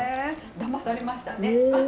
だまされましたね。